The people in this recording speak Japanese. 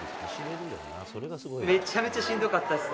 めちゃめちゃしんどかったです。